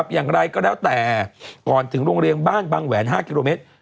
อย่างไรก็แล้วแต่ก่อนถึงโรงเรียนบ้านบางแหวน๕กิโลเมตร